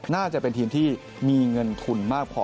น่าจะเป็นทีมที่มีเงินทุนมากพอ